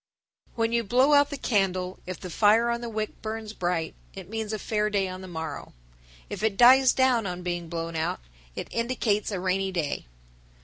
When you blow out the candle, if the fire on the wick burns bright, it means a fair day on the morrow; if it dies down on being blown out, it indicates a rainy day.